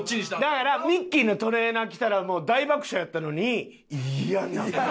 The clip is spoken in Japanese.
だからミッキーのトレーナー着たらもう大爆笑やったのにイヤな。